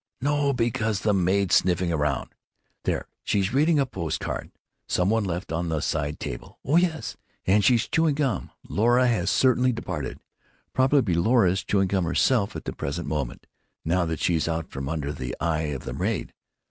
"No. Because the maid's sniffing around—there, she's reading a post card some one left on the side table. Oh yes, and she's chewing gum. Laura has certainly departed. Probably Laura is chewing gum herself at the present moment, now that she's out from under the eye of her maid.